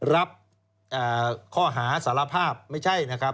รับข้อหาสารภาพไม่ใช่นะครับ